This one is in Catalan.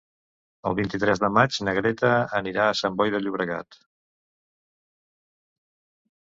El vint-i-tres de maig na Greta anirà a Sant Boi de Llobregat.